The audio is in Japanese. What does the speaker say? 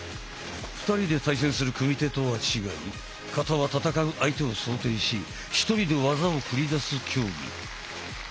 ２人で対戦する組手とは違い形は戦う相手を想定し１人で技を繰り出す競技。